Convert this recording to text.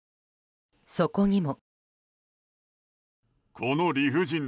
そこにも。